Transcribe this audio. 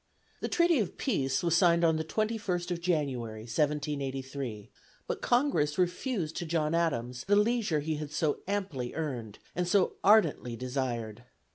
The treaty of peace was signed on the 21st of January, 1783; but Congress refused to John Adams the leisure he had so amply earned, and so ardently desired.